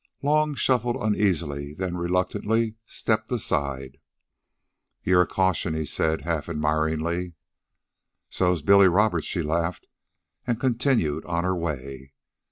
Long shuffled uneasily, then reluctantly stepped aside. "You're a caution," he said, half admiringly. "So's Billy Roberts," she laughed, and continued on her way.